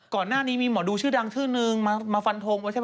ก่อนหน้านี้มีหมอดูชื่อดังชื่อนึงมาฟันโทม